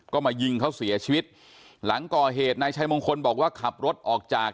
ก็มายิงเขาเสียชีวิตหลังก่อเหตุนายชัยมงคลบอกว่าขับรถออกจาก